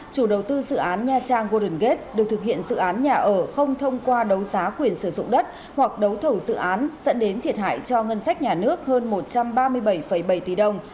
chủ đầu tư dự án nha trang golden gate được thực hiện dự án nhà ở không thông qua đấu giá quyền sử dụng đất hoặc đấu thầu dự án dẫn đến thiệt hại cho ngân sách nhà nước hơn một trăm ba mươi bảy bảy tỷ đồng